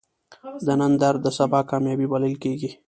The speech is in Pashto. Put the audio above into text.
د نن درد د سبا کامیابی بلل کېږي.